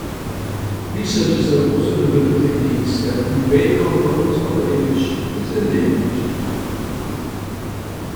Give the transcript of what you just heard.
Researchers have also developed techniques that embed components of the image within the image.